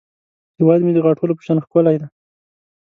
هیواد مې د غاټولو په شان ښکلی دی